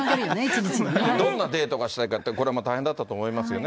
どんなデートがしたいかって、大変だったと思いますよね。